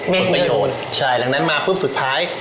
เป็นประโยชน์ใช่ดังนั้นมาปุ๊บสุดท้าย